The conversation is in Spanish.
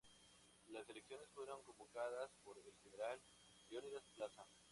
Las elecciones fueron convocadas por el general Leonidas Plaza.